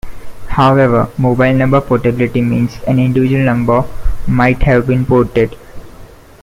However mobile number portability means an individual number might have been "ported".